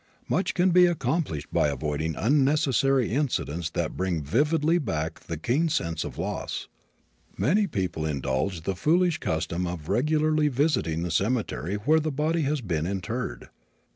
Much can be accomplished by avoiding unnecessary incidents that bring vividly back the keen sense of loss. Many people indulge the foolish custom of regularly visiting the cemetery where the body has been interred.